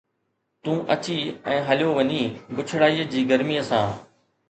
تون اچي ۽ هليو وڃين بڇڙائيءَ جي گرميءَ سان